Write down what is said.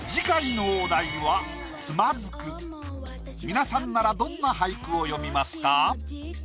皆さんならどんな俳句を詠みますか？